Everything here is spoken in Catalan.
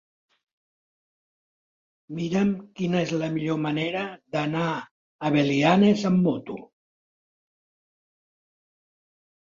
Mira'm quina és la millor manera d'anar a Belianes amb moto.